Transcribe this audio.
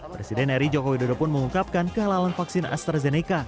presiden eri jokowi dodo pun mengungkapkan kehalalan vaksin astrazeneca